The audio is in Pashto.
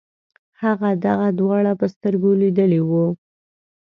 هغه دغه دواړه په سترګو لیدلي وو.